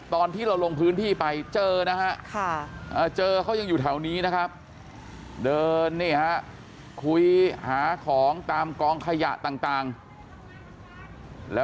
ตอนที่เราลงพื้นที่ไปเจอนะฮะ